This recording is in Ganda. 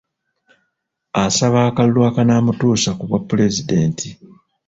Asaba akalulu akanaamutuusa ku bwapulezidenti.